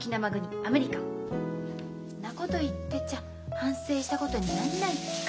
んなこと言ってちゃ反省したことになんないか。